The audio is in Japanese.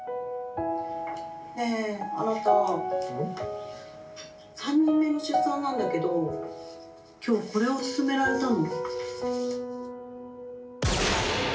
「ねえあなた３人目の出産なんだけど今日これを勧められたの」。